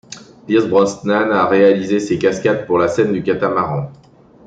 Pierce Brosnan a réalisé ses cascades pour la scène du catamaran.